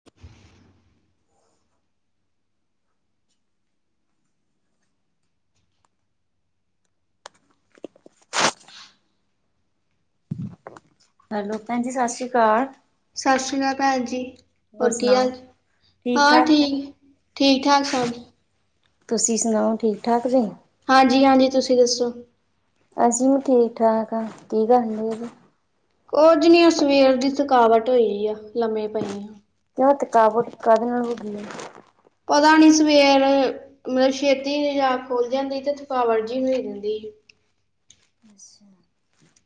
[inaudible] Hello ਭੈਣ ਜੀ। ਸਤਿ ਸ੍ਰੀ ਆਕਾਲ। ਸਤਿ ਸ੍ਰੀ ਆਕਾਲ ਕਾਲ ਭੈਣ ਜੀ। ਹੋਰ ਕੀ ਹਾਲ? ਠੀਕ ਹਾਂ ਠਾਕ ਠੀਕ, ਠੀਕ-ਠਾਕ ਸਭ। ਤੁਸੀਂ ਸੁਣਾਓ? ਠੀਕ-ਠਾਕ ਜੇ? ਹਾਂਜੀ ਹਾਂਜੀ। ਤੁਸੀਂ ਦੱਸੋ? ਅਸੀਂ ਵੀ ਠੀਕ-ਠਾਕ ਆ। ਕੀ ਕਰਨ ਡਏ ਦੇ? ਕੁਝ ਨਹੀਂ ਆ ਸਵੇਰ ਦੀ ਥਕਾਵਟ ਹੋਈ ਆ। ਲੰਮੇ ਪਏ ਆ। ਕਿਉਂ? ਥਕਾਵਟ ਕਾਹਦੇ ਨਾਲ ਹੋਗੀ ਏ। ਪਤਾ ਨੀ ਸਵੇਰ, ਮਤਲਬ ਛੇਤੀ ਜਾਕ ਖੋਲ ਜਾਂਦੀ ਥਕਾਵਟ ਜ ਵੀ ਹੋ ਦਿੰਦੀ। ਅੱਛਾ।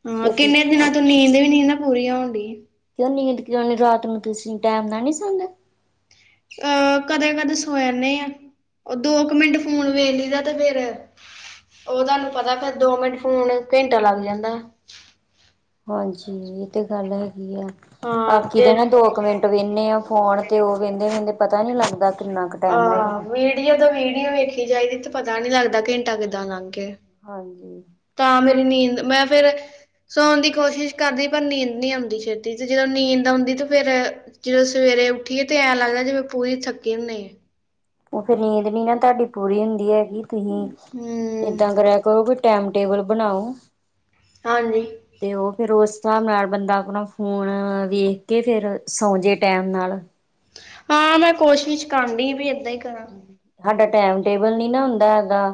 ਹਾਂ, ਕਿੰਨੇ ਦਿਨਾਂ ਤੋਂ ਨੀਂਦ ਵੀ ਨਾ ਪੂਰੀ ਹੋਣ ਡਈ। ਕਿਉ ਨੀਂਦ ਕਿਉਂ ਨੀ? ਰਾਤ ਨੂੰ ਤੁਸੀਂ ਟਾਈਮ ਦਾ ਨਹੀਂ ਸੌਦੇ। ਅਹ ਕਦੇ-ਕਦੇ ਸੋ ਜਾਨੇ ਆ। ਉਹ ਦੋ ਕੁ ਮਿੰਟ ਫੋਨ ਵੇਖਲੀ ਦਾ ਤੇ ਫਿਰ ਉਹ ਤੁਹਾਨੂੰ ਪਤਾ ਫਿਰ ਦੋ ਮਿੰਟ ਫੋਨ ਘੰਟਾ ਲੱਗ ਜਾਂਦਾ। ਹਾਂਜੀ, ਇਹ ਤੇ ਗੱਲ ਹੈਗੀ ਆ। ਹਾਂ ਬਾਕੀ ਤੇ ਦੇਣਾ ਦੋ ਕੁ ਮਿੰਟ ਵੇਨਦੇ ਆ ਫੋਨ ਤੇ ਉਹ ਵਹਿੰਦੇ- ਵਹਿੰਦੇ ਪਤਾ ਹੀ ਨੀ ਲੱਗਦਾ ਕਿੰਨਾ ਕੁ ਟਾਈਮ ਹੋ ਜਾਣਾ। ਜਦੋਂ ਵੀਡੀਓ ਵੇਖੀ ਜਾਏਦੀ ਤੇ ਪਤਾ ਨੀਂ ਲੱਗਦਾ ਘੰਟਾ ਕਿੱਦਾਂ ਲੰਘ ਗਇਆ। ਹਾਂਜੀ। ਤਾਂ ਮੇਰੀ ਨੀਂਦ। ਮੈਂ ਫਿਰ ਸੌਣ ਦੀ ਕੋਸ਼ਿਸ਼ ਕਰਦੀ। ਪਰ ਨੀਂਦ ਨੀ ਆਦੀ ਛੇਤੀ ਤੇ ਜਦੋਂ ਨੀਂਦ ਆਉਂਦੀ ਤੇ ਫਿਰ ਜਦੋਂ ਸਵੇਰੇ ਉੱਠੀਏ ਤੇ ਐਂ ਲਗਦਾ ਜਿਵੇਂ ਪੂਰੀ ਥੱਕੀ ਹੁੰਨੇ ਆ। ਉਹ ਫਿਰ ਨੀਂਦ ਨੀ ਨਾ ਤੁਹਾਡੀ ਪੂਰੀ ਹੁੰਦੀ ਹੈਗੀ। ਕਿ ਤੁਸੀਂ, ਹੂੰ। ਏਦਾਂ ਕਰਿਆ ਕਰੋ ਕ ਟਾਈਮ ਟੇਬਲ ਬਣਾਓ। ਹਾਂਜੀ। ਤੇ ਉਹ ਫਿਰ ਉਸ ਹਿਸਾਬ ਨਾਲ ਬੰਦਾ ਆਪਣਾ ਫੋਨ ਵੇਖ ਕੇ ਫਿਰ ਸੌਂ ਜੇ ਟਾਈਮ ਨਾਲ। ਹਾਂ, ਮੈਂ ਕੋਸ਼ਿਸ਼ ਕਰਦੀ ਵੀ ਏਦਾਂ ਹੀ ਕਰਾਂ। ਸਾਡਾ ਟਾਈਮ-ਟੇਬਲ ਨੀ ਨਾ ਹੁੰਦਾ ਹੈਗਾ,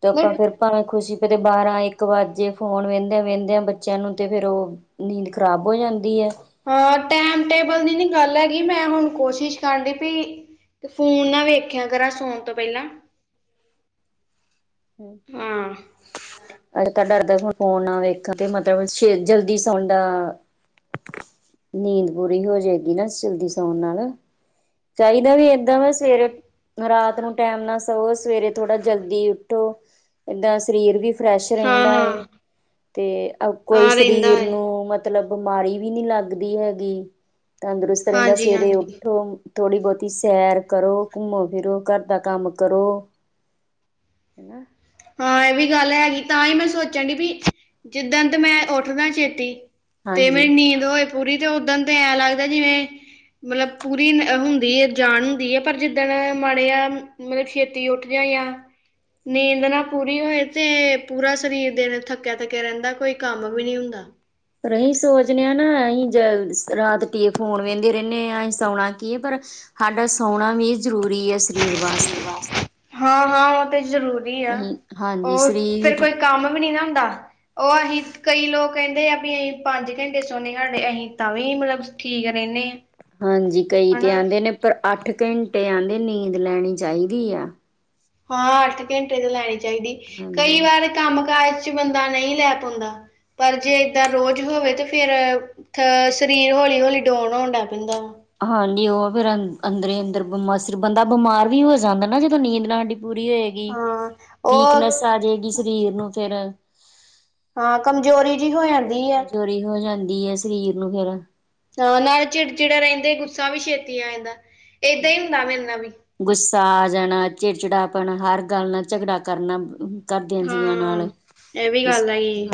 ਤੇ ਆਪਾਂ ਫਿਰ ਭਾਵੇਂ ਖੁਸ਼ੀ ਪਤੇ ਬਾਰਾਂ ਇੱਕ ਵੱਜੇ ਫੋਨ ਵਹਿੰਦਿਆਂ-ਵਹਿੰਦਿਆਂ ਬੱਚਿਆਂ ਨੂੰ ਤੇ ਫੇਰ ਉਹ ਨੀਂਦ ਖ਼ਰਾਬ ਹੋ ਜਾਂਦੀ ਏ। ਹਾਂ, ਟੈਮ-ਟੇਬਲ ਦੀ ਨੀ ਗੱਲ ਹੈਗੀ। ਮੈਂ ਹੁਣ ਕੋਸ਼ਿਸ਼ ਕਰਦੀ ਪਈ। ਅਤੇ ਫੋਨ ਨਾ ਵੇਖਿਆ ਕਰਾਂ ਸੌਣ ਤੋਂ ਪਹਿਲਾਂ। ਹਮ। ਹਾਂ ਅੱਜ ਤਾਂ ਡਰਦਾ ਹੁਣ ਫੋਨ ਨਾ ਵੇਖਣ ਤੇ ਮਤਲਬ ਜਲਦੀ ਸੌਦਾ। ਨੀਂਦ ਪੂਰੀ ਹੋ ਜਾਏਗੀ ਨਾ ਜਲਦੀ ਸੌਣ ਨਾਲ਼ ਚਾਈਦਾ ਵੀ ਏਦਾਂ ਵ ਸਵੇਰੇ, ਰਾਤ ਨੂੰ ਟੈਮ ਸੋਵੋ ਸਵੇਰੇ ਥੋੜ੍ਹਾ ਜਲਦੀ ਓਠੋ, ਏਦਾਂ ਸਰੀਰ ਵੀ ਫਰੈਸ਼ ਹਾਂ ਰਹਿੰਦਾ ਐ, ਹਾਂ ਤੇ ਓ ਕੋਈ ਹਾਂ ਰਹਿੰਦਾ ਸਰੀਰ ਏ। ਨੂੰ ਮਤ ਮਤਲਬ ਬਿਮਾਰੀ ਵੀ ਨੀ ਲੱਗਦੀ ਹੈਗੀ, ਤੰਦਰੁਸਤ ਰਹਿੰਦਾ ਸਵੇਰੇ ਹਾਂਜੀ-ਹਾਂਜੀ ਉੱਠੋ ਥੋੜ੍ਹੀ ਬਹੁਤੀ ਸੈਰ ਕਰੋ, ਘੁੰਮੋ ਫਿਰੋ, ਘਰ ਦਾ ਕੰਮ ਕਰੋ। ਹਨਾ। ਹਾਂ ਇਹ ਵੀ ਗੱਲ ਹੈਗੀ ਤਾਂ ਹੀ ਮੈਂ ਸੋਚਣ ਡੀ ਵੀ ਜਿੱਦਣ ਤੇ ਮੈਂ ਉੱਠਦਾ ਛੇਤੀ ਤੇ ਮੇਰੀ ਹਾਂਜੀ ਨੀਂਦ ਹੋਏ ਪੂਰੀ ਤੇ ਉੱਦਣ ਤੇ ਐਂ ਲੱਗਦਾ ਜਿਵੇਂ ਮਤਲਬ ਪੂਰੀ ਹੁੰਦੀ ਏ, ਜਾਨ ਹੁੰਦੀ ਏ, ਪਰ ਜਿੱਦਣ ਮਾੜੇ ਆ ਮਤਲਬ ਛੇਤੀ ਉੱਠਦੇ ਜਾਂ, ਨੀਂਦ ਨਾ ਪੂਰੀ ਹੋਏ ਤੇ ਪੂਰਾ ਸਰੀਰ ਦਿਨ ਥੱਕਿਆਂ- ਥੱਕਿਆਂ ਰਹਿੰਦਾ ਕੋਈ ਕੰਮ ਵੀ ਨੀ ਹੁੰਦਾ। ਪਰ ਅਸੀਂ ਸੋਚਦੇ ਹਾਂ ਨਾ ਅਸੀਂ ਜ ਰਾਤ ਟੀਏ ਫ਼ੋਨ ਵਹਿੰਦੇ ਰਹਿੰਦੇ ਹ ਅਸੀਂ ਸੋਣਾ ਕੀ ਹੈ ਪਰ ਸਾਡਾ ਸੋਣਾ ਵੀ ਜ਼ਰੂਰੀ ਐ ਸਰੀਰ ਵਾਸਤੇ ਹਾਂ-ਹਾਂ ਉਹ ਤੇ ਜ਼ਰੂਰ ਵੀ ਆ ਅਸੀਂ ਹਾਂਜੀ ਉਹ ਫੇ਼ਰ ਸਰੀਰ ਕੋਈ ਕੰਮ ਵੀ ਨੀ ਨਾ ਹੁੰਦਾ ਉਹ ਅਸੀਂ ਕਈ ਲੋਕ ਕਹਿੰਦੇ ਆ ਵੀ ਅਸੀਂ ਪੰਜ ਘੰਟੇ ਸੋਣੇ ਸਾਡੇ ਅਸੀਂ ਤਾਂ ਵੀ ਮਤਲਬ ਠੀਕ ਰਹਿਣੇ ਆ ਹਾਂਜੀ ਕਈ ਤੇ ਆਂਦੇ ਨੇ ਪਰ ਅੱਠ ਘੰਟੇ ਆਂਦੇ ਨੀਂਦ ਲੈਣੀ ਚਾਹੀਦੀ ਆ ਹਾਂ ਅੱਠ ਘੰਟੇ ਤੇ ਲੈਣੀ ਚਾਹੀਦੀ ਕਈ ਹਾਂਜੀ। ਵਾਰ ਕੰਮ ਕਾਜ ਚ ਬੰਦਾ ਨਹੀਂ ਲੈ ਪਾਉਂਦਾ। ਪਰ ਜੇ ਏਦਾਂ ਰੋਜ਼ ਹੋਵੇ ਤੇ ਫੇ਼ਰ ਥ ਸਰੀਰ ਹੌਲੀ ਹੌਲੀ ਡੋਨ ਹੋਣ ਲੱਗ ਪੈਂਦਾ ਵਾ ਹਾਂਜੀ ਉਹ ਫੇ਼ਰ ਅ ਅੰਦਰ-ਅੰਦਰ ਬਿ ਸ ਬੰਦਾ ਬਿਮਾਰ ਵੀ ਹੋ ਜਾਂਦਾ ਨਾ ਜਦੋਂ ਨੀਂਦ ਨਾ ਹਾਡੀ ਪੂਰੀ ਹੋਏ ਵੀ ਹਾਂ ਉਹ ਵੀਕਨੈਸ ਆ ਜਾਏਗੀ ਸਰੀਰ ਨੂੰ ਫੇ਼ਰ ਹਾਂ ਕਮਜ਼ੋਰੀ ਜੀ ਹੋ ਜਾਂਦੀ ਏ ੜੀ ਹੋ ਜਾਂਦੀ ਹੈ ਸਰੀਰ ਨੂੰ ਫ਼ੇਰ ਹਾਂ ਨਾਲ਼ ਚਿੜਚਿੜੇ ਰਹਿੰਦੇ ਗੁੱਸਾ ਵੀ ਛੇਤੀ ਆ ਜਾਂਦਾ ਏਦਾਂ ਹੀ ਹੁੰਦਾ ਮੇਰੇ ਨਾਂ ਵੀ ਗੁੱਸਾ ਆ ਜਾਣਾ, ਚਿੜਚਿੜਾਪਣ, ਹਰ ਗੱਲ ਨਾਲ਼ ਝਗੜਾ ਕਰਨਾ ਘਰਦਿਆਂ ਜੀਆਂ ਨਾਲ਼ ਹਾਂ ਇਹ ਵੀ ਇਸ ਗੱਲ ਹੈਗੀ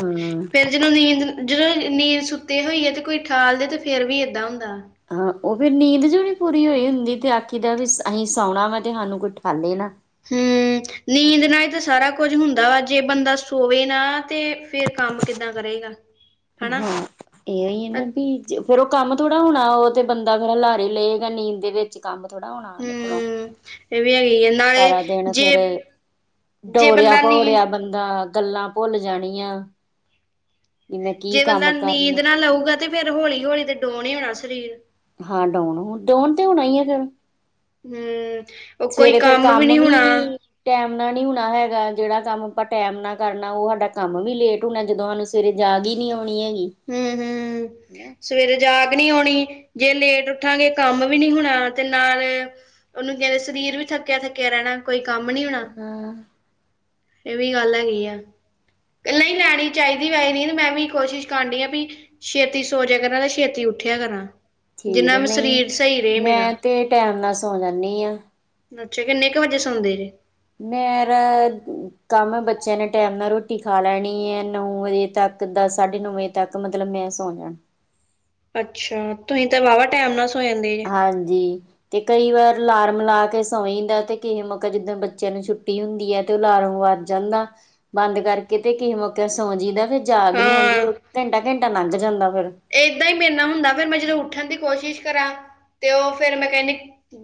ਫੇਰ ਜਦੋਂ ਨੀਂਦ ਜਦੋਂ ਨੀਂਦ ਸੁੱਤੇ ਹੋਈ ਹੈ ਤੇ ਕੋਈ ਠਾਲਦੇ ਤੇ ਫ਼ੇਰ ਵੀ ਏਦਾਂ ਹੁੰਦਾ ਹਾਂ ਉਹ ਫੇ਼ਰ ਨੀਂਦ ਜੋ ਪੂਰੀ ਹੋਈ ਹੁੰਦੀ ਤੇ ਆਖੀਦਾ ਵੀ ਅਸੀਂ ਸੌਣਾ ਵਾ ਤੇ ਸਾਨੂੰ ਕੋਈ ਠਾਲੇ ਨਾ ਹਮ। ਨੀਂਦ ਨਾਲ਼ ਈ ਤਾਂ ਸਾਰਾ ਕੁੱਝ ਹੁੰਦਾ ਵਾ ਜੇ ਬੰਦਾ ਸੋਵੇ ਨਾ ਤੇ ਫੇ਼ਰ ਕੰਮ ਕਿੱਦਾਂ ਕਰੇਗਾ [inaudible] ਹਾਂ। ਇਹੀ ਹੈ ਨਾ ਵੀ ਫ਼ੇਰ ਉਹ ਕੰਮ ਥੋੜ੍ਹਾ ਹੋਣਾ ਉਹ ਤੇ ਬੰਦਾ ਫ਼ੇਰ ਲਾਰੇ ਲਏਗਾ ਨੀਂਦ ਦੇ ਵਿੱਚ ਕੰਮ ਥੋੜ੍ਹਾ ਹੋਣਾ ਹਾਂ ਨਿਕਲੋ । ਸਾਰਾ ਦਿਨ ਫ਼ੇਰ ਜੇ ਡੋਰਿ-ਆ ਬੰਦਾ ਨੀਂਦ ਭੋੜਿਆ ਬੰਦਾ ਗੱਲਾਂ ਭੁੱਲ ਜਾਣੀਆਂ ਵੀ ਮੈਂ ਕੀ ਜੇ ਕੰਮ ਬੰਦਾ ਨੀਂਦ ਕਰਨਾ ਨਾ ਲਊਗਾ ਤੇ ਫੇ਼ਰ ਹੌਲੀ- ਹੌਲੀ ਤੇ ਡੋਣ ਹੋਣਾ ਸਰੀਰ ਹਾਂ ਡਾਨੁਣ- ਡਾਉਨ ਤੇ ਹੋਣਾ ਆ ਫ਼ਿਰ ਹਮ ਕੋਈ ਉਹ ਕੰਮ ਵੀ ਨ੍ਹੀਂ ਹੋਣਾ। ਟੈਮ ਨਾਲ਼ ਨੀ ਹੋਣਾ ਹੈਗਾ ਜਿਹੜਾ ਕੰਮ ਆਪਾਂ ਟੈਮ ਨਾ ਕਰਨਾ ਉਹ ਸਾਡਾ ਕੰਮ ਵੀ ਲੇਟ ਹੋਣਾ ਜਦੋਂ ਸਾਨੂੰ ਸਵੇਰੇ ਜਾਗਈ ਨੀ ਆਉਣੀ ਹੈਗੀ ਹੂੰ-ਹੂੰ ਹਨਾ ਸਵੇਰੇ ਜਾਗ ਨੀ ਆਉਣੀ ਜੇ ਲੇਟ ਉੱਠਾਂਗੇ ਕੰਮ ਵੀ ਨੀ ਹੋਣਾ ਤੇ ਨਾਲ਼ ਉਹਨੂੰ ਕਹਿੰਦੇ ਸਰੀਰ ਵੀ ਥੱਕਿਆ- ਥੱਕਿਆਂ ਰਹਿਣਾ ਕੋਈ ਕੰਮ ਨੀ ਹੋਣਾ ਹਾਂ ਇਹ ਵੀ ਗੱਲ ਐਗੀ ਆ। ਨਹੀਂ ਲੈਣੀ ਚਾਹੀਦੀ, ਵੈਸੇ ਨੀ ਮੈਂ ਵੀ ਕੋਸ਼ਿਸ਼ ਕਰਨ ਡਈ ਵੀ ਛੇਤੀ ਸੋਜਿਆ ਕਰਾਂ ਤੇ ਛੇਤੀ ਉੱਠਿਆ ਕਰਾਂ। ਠੀਕ ਜਿੰਨਾ ਹੈ ਮੇ ਨਹੀਂ ਸਰੀਰ ਸਹੀ ਰਹੇ। ਮੇਰਾ ਮੈਂ ਤੇ ਟੈਮ ਨਾਲ ਸੌ ਜਾਂਨੀ ਆ। ਬੱਚੇ ਕਿੰਨੇ ਕੁ ਵਜੇ ਸੋਂਦੇ ਜੇ ਮੇਰਾ ਕੰਮ ਬੱਚਿਆਂ ਨੇ ਟਾਈਮ ਨਾਲ ਰੋਟੀ ਖਾ ਲੈਣੀ ਐ। ਨੌ ਵਜੇ ਤੱਕ ਦਸ ਸਾਢੇ ਨੌ ਵਜੇ ਤੱਕ ਤੱਕ ਮਤਲਬ ਮੈਂ ਸੌ ਜਾਣਾ। ਅੱਛਾ ਤੁਸੀਂ ਤਾਂ ਵਾਹਵਾ ਟਾਈਮ ਨਾਲ ਸੌ ਹਾਂਜੀ। ਤੇ ਕਈ ਵਾਰ ਅਲਾਰਮ ਲਾ ਕੇ ਸੌਈਦਾ ਤੇ ਕਿਸੇ ਮੌਕਾ ਜਿੱਦਾਂ ਬੱਚਿਆਂ ਨੂੰ ਛੁੱਟੀ ਹੁੰਦੀ ਐ। ਤੇ ਉਹ ਅਲਾਰਮ ਵੱਧ ਜਾਂਦਾ। ਬੰਦ ਕਰਕੇ ਤੇ ਕਿਸੇ ਮੌਕੇ ਸੌ ਜਾਈਦਾ ਫਿਰ ਜਾਗ ਨੀ ਆਉਂਦੀ ਹਾਂ ਘੰਟਾ-ਘੰਟਾ ਲੰਘ ਜਾਂਦਾ। ਫਿਰ ਏਦਾਂ ਹੀ ਮੇਰੇ ਨਾਲ ਹੁੰਦਾ ਫਿਰ ਮੈਂ ਜਦੋਂ ਉੱਠਣ ਦੀ ਕੋਸ਼ਿਸ਼ ਕਰਾਂ। ਤੇ ਉਹ ਫਿਰ ਮੈਂ ਕਹਿਣੀ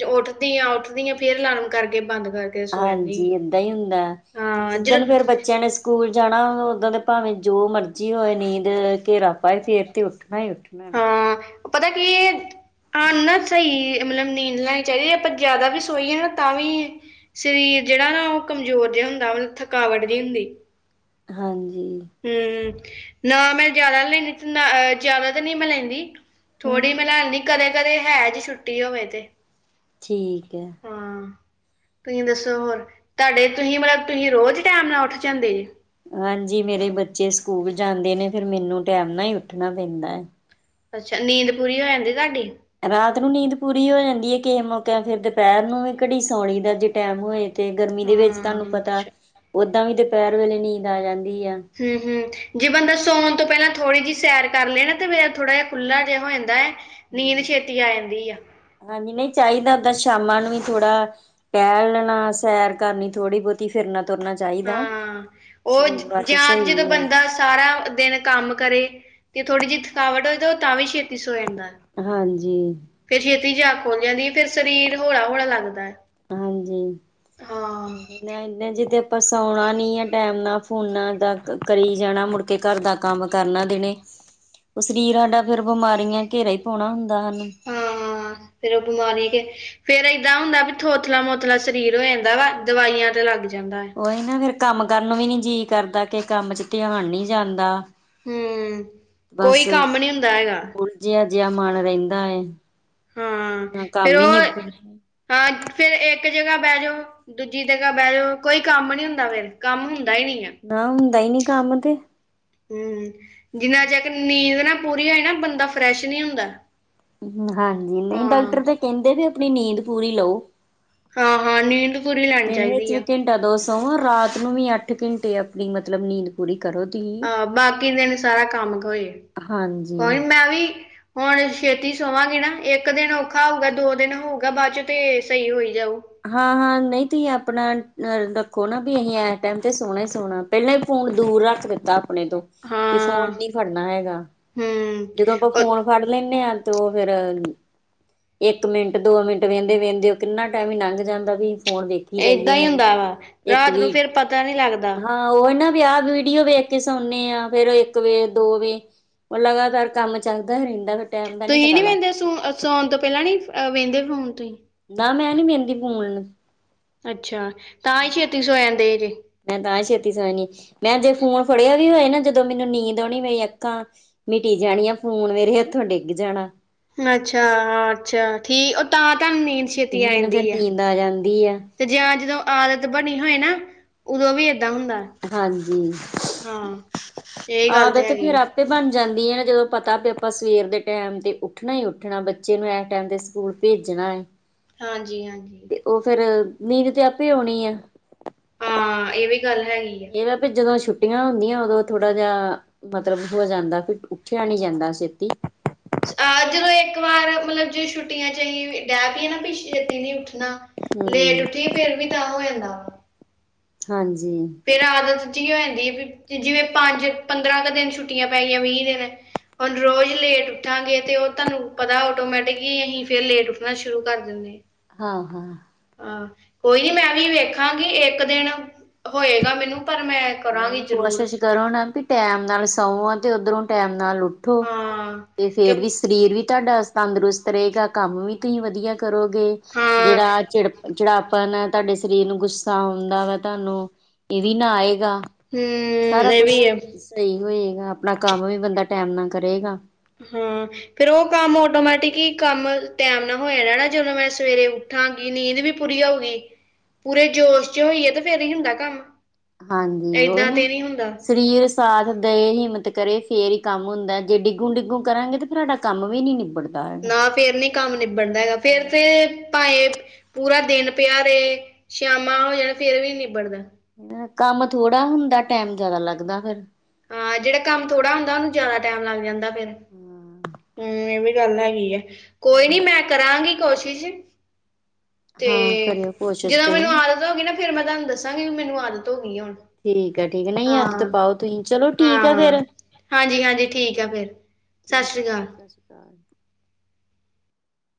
ਉੱਠਦੀ ਆਂ-ਉੱਠਦੀ ਆ ਫਿਰ ਅਲਾਰਮ ਕਰਕੇ ਬੰਦ ਕਰ ਹਾਂਜੀ ਏਦਾਂ ਹੀ ਹੁੰਦਾ, ਤੇ ਹਾਂ ਜਿੱਦਣ ਜਦੋਂ ਫੇਰ ਬੱਚਿਆਂ ਨੇ ਸਕੂਲ ਜਾਣਾ ਓਦਾਂ ਦੇ ਭਾਵੇਂ ਜੋ ਮਰਜ਼ੀ ਹੋਏ ਨੀਂਦ ਘੇਰਾ ਪਾਏ ਫੇਰ ਤੇ ਉੱਠਣਾ ਹੀ ਉੱਠ ਉੱਠਣਾ ਨਾ। ਪਤਾ ਕੀ ਏ ਆਨਾ ਚਾਹੀਏ ਮਤਲਬ ਨੀਂਦ ਲੈਣੀ ਚਾਹੀਦੀ ਏ। ਆਪਾਂ ਜ਼ਿਆਦਾ ਵੀ ਸੋਈਏ ਨਾ ਤਾਂ ਵੀ ਸਰੀਰ ਜਿਹੜਾ ਨਾ ਉਹ ਕਮਜ਼ੋਰ ਜਿਹਾ ਹੁੰਦਾ, ਮਤਲਬ ਥਕਾਵਟ ਜਿਹੀ ਹੁੰਦੀ ਹਾਂਜੀ। ਹਮ ਨਾ ਮੈਂ ਜਿਆਦਾ ਲੈਂਦੀ ਤੇ ਜਿਆਦਾ ਤਾਂ ਨਹੀਂ ਮੈਂ ਲੈਂਦੀ ਹਮ ਥੋੜ੍ਹੀ ਮੈਂ ਲਉਦੀ ਕਦੇ-ਕਦੇ ਹੈ ਜੀ ਛੁੱਟੀ ਹੋਵੇ ਤੇ ਠੀਕ ਐ। ਹਾਂ, ਤੁਸੀਂ ਦੱਸੋ ਹੋਰ, ਤਾਡੇ ਤੁਸੀਂ ਮਤਲਬ ਤੁਸੀਂ ਰੋਜ਼ ਟੈਮ ਨਾਲ ਉੱਠ ਜਾਂਦੇ ਜੇ ਹਾਂਜੀ ਮੇਰੇ ਬੱਚੇ ਸਕੂਲ ਜਾਂਦੇ ਨੇ। ਫਿਰ ਮੈਨੂੰ ਟੈਮ ਨਾਲ ਹੀ ਉੱਠਣਾ ਪੈਂਦਾ ਐ। ਅੱਛਾ, ਨੀਂਦ ਪੂਰੀ ਹੋ ਜਾਂਦੀ ਤੁਹਾਡੀ ਰਾਤ ਨੂੰ ਨੀਂਦ ਪੂਰੀ ਹੋ ਜਾਂਦੀ ਐ‌। ਕਿਸੇ ਮੌਕੇ ਫਿਰ ਦੁਪਹਿਰ ਨੂੰ ਵੀ ਘੜੀ ਸੌਉਣੀ ਦਾ ਜੇ ਟੈਮ ਹੋਏ। ਤੇ ਗਰਮੀ ਦੇ ਵਿੱਚ ਹਾਂ ਤਾਨੂੰ ਪਤਾ ਅੱਛਾ ਓਦਾਂ ਵੀ ਦੁਪਹਿਰ ਵੇਲੇ ਨੀਂਦ ਆ ਜਾਂਦੀ ਆ। ਹਮ-ਹਮ। ਜੇ ਬੰਦਾ ਸੌਣ ਤੋਂ ਪਹਿਲਾਂ ਥੋੜ੍ਹੀ ਜਿਹੀ ਸੈਰ ਕਰ ਲੇ ਨਾ। ਫਿਰ ਥੋੜਾ ਜਿਹਾ ਖੁੱਲ੍ਹਾ ਜਿਹਾ ਹੋ ਜਾਂਦਾ ਐ। ਨੀਂਦ ਛੇਤੀ ਆ ਜਾਂਦੀ ਆ। ਹਾਂਜੀ ਨਹੀਂ ਚਾਹੀਦਾ ਸ਼ਾਮਾਂ ਨੂੰ ਥੋੜਾ ਟਹਿਲ ਲੈਣਾ, ਸੈਰ ਕਰਨੀ ਥੋੜ੍ਹੀ ਬਹੁਤੀ, ਫਿਰਨਾ-ਤੁਰਨਾ ਹਾਂ, ਉਹ ਜਾਂ ਜਦੋਂ ਸਹੀ ਆ ਬੰਦਾ ਸਾਰਾ ਦਿਨ ਕੰਮ ਕਰੇ, ਤੇ ਥੋੜ੍ਹੀ ਜਿਹੀ ਥਕਾਵਟ ਹੋ ਜੇ ਉਹ ਤਾਂ ਵੀ ਛੇਤੀ ਸੋ ਜਾਂਦਾ। ਹਾਂਜੀ। ਫਿਰ ਛੇਤੀ ਜਾਗ ਖੁੱਲ ਜਾਂਦੀ ਐ‌। ਫ਼ਿਰ ਸਰੀਰ ਹੌਲਾ-ਹੌਲਾ ਲੱਗਦਾ। ਹਾਂਜੀ। ਹਾਂ ਨਾ ਜੇ ਆਪਾਂ ਸੌਣਾ ਨੀ ਆ ਟਾਈਮ ਨਾਲ ਫੋਨਾਂ ਦਾ ਕਰੀ ਜਾਣਾ ਮੁੜ ਕੇ ਘਰ ਦਾ ਕੰਮ ਕਰਨਾ ਦਿਨੇ ਉਹ ਸਰੀਰ ਹਾਡਾ ਫਿਰ ਬਿਮਾਰੀਆਂ ਘੇਰਾ ਹੀ ਪਾਉਣਾ ਹੁੰਦਾ ਹਾਨੂੰ। ਹਾਂ ਫਿਰ ਉਹ ਬਿਮਾਰੀ ਕੇ ਫੇਰ ਇਦਾਂ ਹੁੰਦਾ ਵੀ ਥੋਥਲਾ-ਮੋਥਲਾ ਸਰੀਰ ਹੋ ਜਾਂਦਾ ਵਾ। ਦਵਾਈਆਂ ਤੇ ਲੱਗ ਜਾਂਦਾ। ਹੈ ਕੋਈ ਨਾ ਫਿਰ ਕੰਮ ਕਰਨ ਵੀ ਨੀ ਜੀਅ ਕਰਦਾ ਕਿ ਕੰਮ 'ਚ' ਧਿਆਨ ਨੀ ਜਾਂਦਾ। ਹੂੰ ਕੋਈ ਬੱਸ ਕੰਮ ਨਹੀਂ ਹੁੰਦਾ ਹੈਗਾ ਉਲਜਿਹਾ ਜਿਹਾ ਮਨ ਰਹਿੰਦਾ ਐ। ਹਾਂ, ਫਿਰ ਉਹ, ਹਾਂ ਫਿਰ ਇੱਕ ਜਗ੍ਹਾ ਬਹਿ ਜਾਓ। ਦੂਜੀ ਦਗ੍ਹਾ ਬਹਿ ਜਾਓ। ਕੋਈ ਕੰਮ ਨੀ ਹੁੰਦਾ ਫਿਰ, ਕੰਮ ਹੁੰਦਾ ਹੀ ਨਹੀਂ ਐ। ਨਾ ਹੁੰਦਾ ਈ ਨੀ ਕੰਮ ਤੇ। ਹਮ, ਜਿੰਨਾ ਚੱਕ ਨੀਂਦ ਨਾ ਪੂਰੀ ਹੋਏ ਨਾ, ਬੰਦਾ ਫਰੈਸ਼ ਨੀ ਹੁੰਦਾ। ਹਾਂਜੀ, ਨਹੀਂ ਹਾਂ ਡਾਕਟਰ ਤਾਂ ਕਹਿੰਦੇ ਵੀ ਆਪਣੀ ਨੀਂਦ ਪੂਰੀ ਲਓ। ਹਾਂ-ਹਾਂ ਨੀਂਦ ਪੂਰੀ ਲੈਣੀ ਚਾਹੀਦੀ ਆ। ਕਦੋ ਸੋਹ ਰਾਤ ਨੂੰ ਵੀ ਅੱਠ ਘੰਟੇ ਆਪਣੀ ਮਤਲਬ ਨੀਂਦ ਪੂਰੀ ਕਰੋ ਦੀ। ਆਹ ਬਾਕੀ ਦਿਨ ਸਾਰਾ ਕੰਮ ਕੋਈ, ਹਾਂਜੀ ਕੋਈ ਮੈਂ ਵੀ ਹੁਣ ਛੇਤੀ ਸੋਵਾਂਗੇ ਨਾ, ਇੱਕ ਦਿਨ ਔਖਾ ਹੋਊਗਾ, ਦੋ ਦਿਨ ਹੋਊਗਾ ਬਾਅਦ 'ਚ' ਤੇ ਸਹੀ ਹੋਈ ਜਾਊ। ਹਾਂ-ਹਾਂ ਨਹੀਂ ਤੁਹੀਂ ਆਪਣਾ ਆ ਰੱਖੋ। ਨਾ ਵੀ ਅਸੀਂ ਇਸ ਟਾਈਮ ਤੇ ਸੋਣਾ ਹੀ ਸੋਣਾ। ਪਹਿਲਾਂ ਹੀ ਫੋਨ ਦੂਰ ਰੱਖ ਦਿੱਤਾ ਆਪਣੇ ਤੋਂ। ਵੀ ਹਾਂ ਫੋਨ ਨੀ ਫੜਨਾ ਹੈਗਾ, ਹੂੰ ਜਦੋਂ ਆਪਾਂ ਫੋਨ ਫੜ ਲੈਂਦੇ ਆ ਤੇ ਉਹ ਫਿਰ ਇੱਕ ਮਿੰਟ, ਦੋ ਮਿੰਟ ਵੇਹਿੰਦੇ- ਵੇਹਿੰਦੇ ਉਹ ਕਿੰਨਾ। ਟਾਈਮ ਈ ਨੰਗ ਜਾਂਦਾ ਵੀ ਫੋਨ ਵੇਖ। ਏਦਾਂ ਹੀ ਹੁੰਦਾ ਵਾ ਰਾਤ ਨੂੰ ਫੇਰ ਪਤਾ ਨਹੀਂ ਲੱਗਦਾ। ਹਾਂ ਉਹ ਨਾ ਵੀ ਆਹ ਵੀਡੀਓ ਵੇਖ ਕੇ ਸੌਣੇ ਆ ਫੇਰ ਇੱਕ ਵੇਖ, ਦੋ ਵੇਖ। ਉਹ ਲਗਾਤਾਰ ਕੰਮ ਚੱਲਦਾ ਰਹਿੰਦਾ ਫਿਰ। ਟਾਈਮ ਦਾ ਤੁਸੀਂ ਪਤਾ ਨੀ ਲੱਗਦਾ ਵਹਿੰਦੇ ਸੂ ਸੌਣ ਤੋਂ ਪਹਿਲਾਂ ਨੀ ਵੇਹਿੰਦੇ ਫੋਨ ਤੁਸੀਂ। ਨਾ ਮੈਂ ਨੀ ਵੇਹਿੰਦੀ ਫੋਨ ਨੂੰ। ਅੱਛਾ, ਤਾਂ ਹੀ ਛੇਤੀ ਸੌ ਜਾਂਦੇ ਜੇ। ਮੈਂ ਤਾਂ ਛੇਤੀ ਸੋ ਜਾਣੀ ਆ। ਮੈਂ ਜੇ ਫੋਨ ਫੜਿਆ ਵੀ ਹੋਏ ਨਾ ਜੋਂ ਜਦੋਂ ਮੈਨੂੰ ਨੀਂਦ ਆਉਣੀ ਮੇਰੀ ਅੱਖਾਂ, ਮਿਟੀ ਜਾਣੀਆਂ ਫੋਨ ਮੇਰੇ ਹੱਥੋਂ ਡਿੱਗ ਜਾਣਾ। ਅੱਛਾ-ਅੱਛਾ ਠੀ ਉਹ ਤਾਂ ਤੁਹਾਨੂੰ ਨੀਂਦ ਛੇਤੀ ਆ ਮੈਨੂੰ ਫਿਰ ਜਾਂਦੀ ਆ। ਨੀਂਦ ਜਾਂਦੀ ਆ ਤੇ ਜਾਂ ਜਦੋਂ ਆਦਤ ਬਣੀ ਹੋਏ ਨਾ। ਉਦੋਂ ਵੀ ਏਦਾਂ ਹੁੰਦਾ, ਹਾਂਜੀ ਹਾਂ ਤੇ ਇਹੀ ਗੱਲ ਤੇ ਹੈਗੀ ਏ। ਤੇ ਬਣ ਜਾਂਦੀ ਐ, ਨਾ ਜਦੋਂ ਪਤਾ ਵੀ ਆਪਾਂ ਸਵੇਰ ਦੇ ਟਾਈਮ 'ਤੇ ਉੱਠਣਾ ਹੀ ਉੱਠਣਾ ਬੱਚੇ ਨੂੰ ਇਸ ਟਾਈਮ 'ਤੇ ਸਕੂਲ ਭੇਜਣਾ ਐ। ਹਾਂਜੀ-ਹਾਂਜੀ। ਉਹ ਫਿਰ ਨੀਂਦ ਤੇ ਆਪੇ ਆਉਣੀ ਆ। ਹਾਂ ਇਹ ਵੀ ਗੱਲ ਹੈਗੀ ਆ। ਇਹ ਵਾ ਵੀ ਜਦੋਂ ਛੁੱਟੀਆਂ ਹੁੰਦੀਆਂ ਉਦੋਂ ਥੋੜਾ ਜਾ। ਮਤਲਬ ਹੋ ਜਾਂਦਾ ਉੱਠਿਆ ਜਾਂਦਾ ਛੇਤੀ। ਆਹ ਜਦੋਂ ਇੱਕ ਵਾਰ ਮਤਲਬ ਜ ਛੁੱਟੀਆਂ 'ਚ' ਅਸੀਂ ਡਹਿ ਪਈਏ ਨਾ ਪ ਛੇਤੀ ਨੀ ਉੱਠਣਾ। ਲੇਟ ਹਮ ਉੱਠੀ ਫੇਰ ਵੀ ਤਾਂ ਹੋ ਜਾਂਦਾ। ਹਾਂਜੀ। ਫਿਰ ਆਦਤ ਜੀ ਹੋ ਜਾਂਦੀ ਐ। ਜਿਵੇਂ ਪੰਜ, ਪੰਦਰਾਂ ਕ ਦਿਨ ਛੁੱਟੀਆਂ ਪੈਗੀਆਂ ਵੀਹ ਦਿਨ। ਹੁਣ ਰੋਜ਼ ਲੇਟ ਉੱਠਾਂਗੇ ਤੇ ਉਹ ਤੁਹਾਨੂੰ ਪਤਾ ਆਟੋਮੈਟਿਕਲੀ ਅਸੀਂ ਫਿਰ ਲੇਟ ਉੱਠਣਾ ਸ਼ੁਰੂ ਕਰ ਦੀਣੇ। ਹਾਂ-ਹਾਂ। ਹਾਂ, ਕੋਈ ਨੀ ਮੈਂ ਵੀ ਵੇਖਾਂਗੀ ਇੱਕ ਦਿਨ, ਹੋਏਗਾ। ਮੈਨੂੰ ਪਰ ਮੈਂ ਕਰਾਂਗੀ ਨਹੀਂ ਜ਼ਰੂਰ ਕੋਸ਼ਿਸ਼ ਕਰੋ ਨਾ ਵੀ ਟੈਮ ਨਾਲ ਸਵੋ ਤੇ ਉੱਧਰੋਂ ਟੈਮ ਨਾਲ ਉਠ ਉਠੋ, ਹਾਂ ਤੇ ਕਿ ਫਿਰ ਵੀ ਸਰੀਰ ਵੀ ਤੁਹਾਡਾ ਤੰਦਰੁਸਤ ਰਹੇਗਾ ਕੰਮ ਵੀ ਤੁਸੀਂ ਵਧੀਆ ਕ ਕਰੋਗੇ ਹਾਂ ਜਿਹੜਾ ਚਿੜ-ਚਿੜਾਪਨ ਤੁਹਾਡੇ ਸਰੀਰ ਨੂੰ ਗੁੱਸ ਤਾ ਹੁੰਦਾ ਵਾ ਤੁਹਾਨੂੰ, ਇਹ ਵੀ ਨਾ ਆਏਗਾ, ਹਮ ਸਾਰਾ ਇਹ ਕੁਛ। ਵੀ ਹੈ ਸਹੀ ਹੋਏਗਾ, ਆਪਣਾ ਕੰਮ ਵੀ ਬੰਦਾ ਟੈਮ ਨਾਲ ਕਰੇਗਾ। ਹਾਂ ਫਿਰ ਉਹ ਕੰਮ ਆਟੋਮੈਟਿਕੀ ਹੀ ਕੰਮ ਟਾਈਮ ਨਾਲ ਹੋ ਜਾਣਾ ਨਾ ਜਦੋਂ ਮੈਂ ਸਵੇਰੇ ਉਠਾਂਗੀ ਨੀਂਦ ਵੀ ਪੂਰੀ ਆਊਗੀ। ਪੂਰੇ ਜੋਸ਼ 'ਚ' ਹੋਈਏ ਤੇ ਫੇਰ ਹੀ ਹੁੰਦਾ ਕੰਮ। ਹਾਂਜੀ ਉਹੀ ਏਦਾਂ ਨਾ ਤੇ ਨਹੀਂ ਹੁੰਦਾ। ਸਰੀਰ ਸਾਥ ਦੇ, ਹਿੰਮਤ ਕਰੇ ਫਿਰ ਹੀ ਕੰਮ ਹੁੰਦਾ ਜੇ ਡਿੱਗੂ -ਡਿੱਗੂ ਕਰਾਂਗੇ ਤਾਂ ਫਿਰ ਹਾਡਾ ਕੰਮ ਵੀ ਨਿਬੜਦਾ। ਨਾ ਫੇਰ ਨੀ ਕੰਮ ਨਿੱਬੜਦਾ ਹੈਗਾ ਫੇਰ ਤੇ ਭਾਏਂ ਪੂਰਾ ਦਿਨ ਪਿਆ ਰੇ ਸ਼ਿਆਮਾਂ ਹੋ ਜਾਣ ਫਿਰ ਵੀ ਨਿਬੜਦਾ। ਕੰਮ ਥੋੜ੍ਹਾ ਹੁੰਦਾ ਟਾਇਮ ਜ਼ਿਆਦਾ ਲੱਗਦਾ ਫ਼ਿਰ। ਹਾਂ ਜਿਹੜਾ ਕੰਮ ਥੋੜਾ ਹੁੰਦਾ ਉਹਨੂੰ ਜ਼ਿਆਦਾ ਟਾਈਮ ਲੱਗ ਜਾਂਦਾ ਫਿਰ‌। ਹਮ ਇਹ ਵੀ ਗੱਲ ਹੈਗੀ ਆ ਕੋਈ ਨੀ ਮੈਂ ਕਰਾਂਗੀ ਕੋਸ਼ਿਸ਼। ਤੇ ਹਾਂ ਕਰਿਓ ਕੋਸ਼ਿਸ਼ ਜਦੋਂ ਮੈਨੂੰ ਤੁਸੀਂ ਆਦਤ ਹੋ ਗਈ ਨਾ ਫਿਰ ਮੈਂ ਤੁਹਾਨੂੰ ਦੱਸਾਂਗੀ ਵੀ ਮੈਨੂੰ ਆਦਤ ਹੋ ਗਈ ਐ ਹੁਣ। ਠੀਕ ਹੈ ਠੀਕ ਹੈ ਨਹੀਂ ਆਦਤ ਹਾਂ, ਪਾਓ ਤੁਸੀਂ ਚਲੋ ਠੀਕ ਹੈ ਹਾਂ ਫੇਰ ਹਾਂਜੀ-ਹਾਂਜੀ ਠੀਕ ਆ ਫਿਰ। ਸਤਿ ਸ਼੍ਰੀ ਅਕਾਲ। ਸਸਰੀ ਕਾਲ।